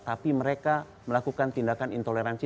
tapi mereka melakukan tindakan intoleransi